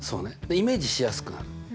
イメージしやすくなる。